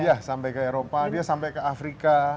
iya sampai ke eropa dia sampai ke afrika